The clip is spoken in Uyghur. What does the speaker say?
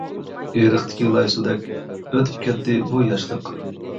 ئېرىقتىكى لاي سۇدەك، ئۆتۈپ كەتتى بۇ ياشلىق.